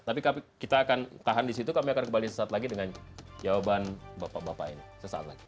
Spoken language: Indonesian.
tapi kita akan tahan di situ kami akan kembali sesaat lagi dengan jawaban bapak bapak ini sesaat lagi